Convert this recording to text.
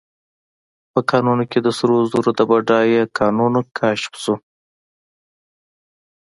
په کانونو کې د سرو زرو د بډایه کانونو کشف شو.